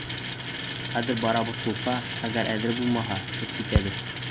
Хәҙер барабыҙ клубҡа, әгәр әҙер булмаһа, беҙ китәбеҙ.